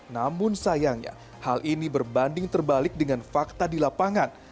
namun sayangnya hal ini berbanding terbalik dengan fakta di lapangan